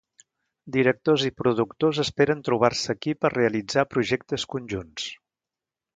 Directors i productors esperen trobar-se aquí per realitzar projectes conjunts.